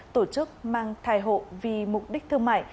tổ chức mang thai hộ vì mục đích thương mại